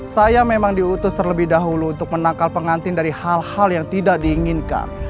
saya memang diutus terlebih dahulu untuk menangkal pengantin dari hal hal yang tidak diinginkan